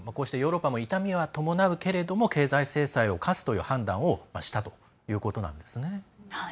ヨーロッパも痛みは伴うけれども経済制裁を科すという判断をしたということなんですね。